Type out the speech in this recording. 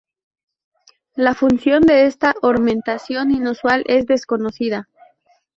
La función de esta ornamentación inusual es desconocida.